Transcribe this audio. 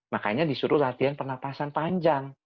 makanya disuruh latihan pernapasan panjang